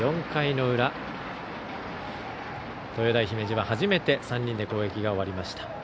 ４回の裏、東洋大姫路は初めて３人で攻撃が終わりました。